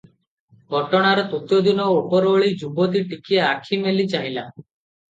ଘଟଣାର ତୃତୀୟ ଦିନ ଉପରଓଳି ଯୁବତୀ ଟିକିଏ ଆଖି ମେଲି ଚାହିଁଲା ।